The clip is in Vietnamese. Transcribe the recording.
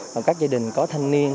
và các gia đình có thanh niên